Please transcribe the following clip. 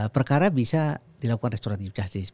perkara bisa dilakukan restoratif justice